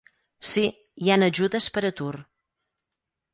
Si, hi han ajudes per atur.